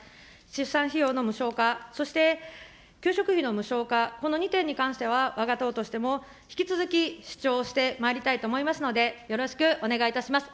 出産費用の無償化、そして給食費の無償化、この２点に関しては、わが党としても引き続き主張してまいりたいと思いますので、よろしくお願いいたします。